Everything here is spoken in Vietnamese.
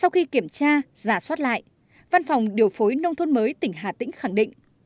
sau khi kiểm tra giả soát lại văn phòng điều phối nông thôn mới tỉnh hà tĩnh khẳng định